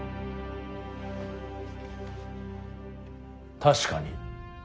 確かに。